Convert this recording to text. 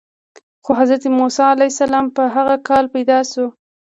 خو حضرت موسی علیه السلام په هغه کال پیدا شو.